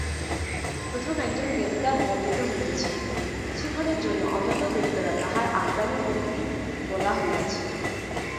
প্রথম একজন দেবতা বন্দিত হইতেছেন, কিছুক্ষণের জন্য অন্যান্য দেবতারা তাঁহার আজ্ঞানুবর্তী বলা হইয়াছে।